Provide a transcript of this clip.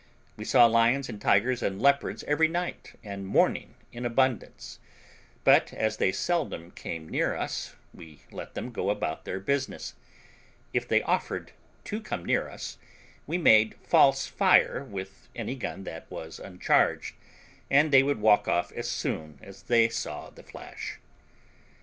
We saw lions and tigers and leopards every night and morning in abundance; but as they seldom came near us, we let them go about their business: if they offered to come near us, we made false fire with any gun that was uncharged, and they would walk off as soon as they saw the flash.